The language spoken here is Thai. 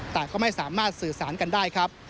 แต่ก็ไม่สามารถสื่อสารกันได้ครับ